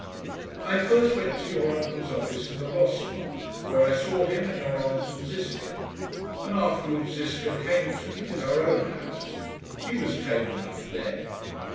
"I first went to your uncle's office in the Ross Markt, where I saw him and your aunt and Ziska. And afterwards Ziska came to me, at our own house. He was tame enough then."